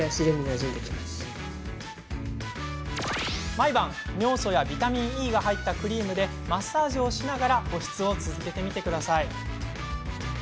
毎晩、尿素やビタミンＥが入ったクリームでマッサージをしながら保湿を続けてみてください。